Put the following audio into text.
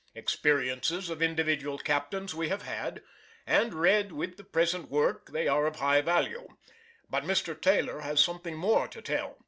Experiences of individual captains we have had, and, read with the present work, they are of high value: but Mr. Taylor has something more to tell.